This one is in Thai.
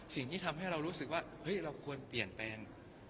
สิ่งที่ทำให้เรารู้สึกว่าเฮ้ยเราควรเปลี่ยนแปลง